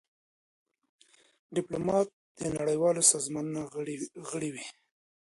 ډيپلومات د نړېوالو سازمانونو غړی وي.